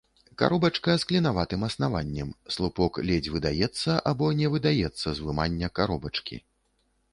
Каробачка з клінаватым аснаваннем, слупок ледзь выдаецца або не выдаецца з вымання каробачкі.